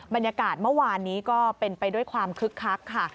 บรรยากาศเมื่อวานนี้ก็เป็นไปด้วยความคึกคักค่ะ